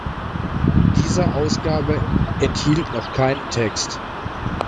Diese Ausgabe enthielt noch keinen Text.